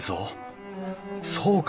そうか！